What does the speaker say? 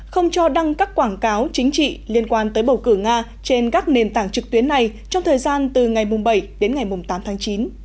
không cho đăng các quảng cáo chính trị liên quan tới bầu cử nga trên các nền tảng trực tuyến này trong thời gian từ ngày bảy đến ngày tám tháng chín